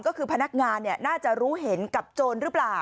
ก็คือพนักงานน่าจะรู้เห็นกับโจรหรือเปล่า